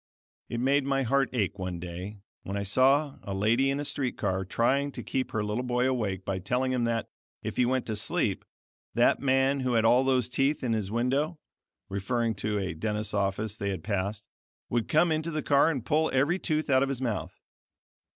It made my heart ache one day when I saw a lady in a street car trying to keep her little boy awake by telling him that, if he went to sleep, that man who had all those teeth in his window (referring to a dentist's office they had passed) would come into the car and pull every tooth out of his mouth.